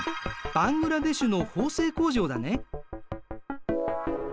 バングラデシュの縫製工場だね。